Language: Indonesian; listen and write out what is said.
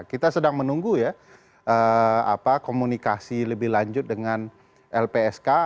kita sedang menunggu ya komunikasi lebih lanjut dengan lpsk